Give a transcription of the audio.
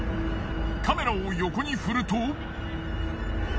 カメラを横に振ると。